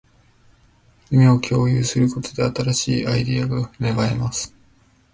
夢を共有することで、新しいアイデアが芽生えます